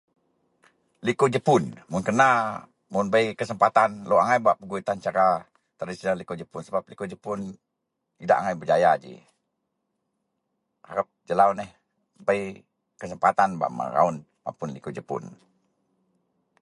Likou Jepun mun kena, mun bei kesempatan lok angai bak pegui tan cara tradisional likou Jepun sebap likou Jepun idak angai berjaya ji. Harep jelau neh bei kesempatan bak raun mapun likou Jepun